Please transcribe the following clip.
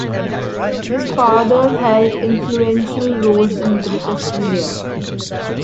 His father held influential roles in British India.